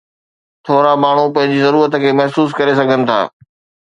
ٿورا ماڻهو پنهنجي ضرورت کي محسوس ڪري سگھن ٿا.